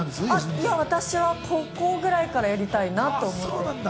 いや、私は高校くらいからやりたいなと思って。